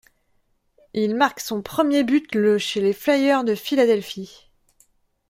Il marque son premier but le chez les Flyers de Philadelphie.